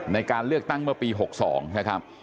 ในการเลือกตั้งเมื่อปี๖๒นะครับ